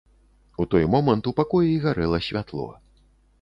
У той момант у пакоі гарэла святло.